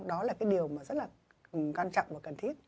đó là cái điều mà rất là quan trọng và cần thiết